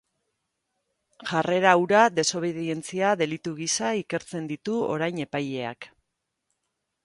Jarrera hura desobedentzia delitu gisa ikertzen ditu orain epaileak.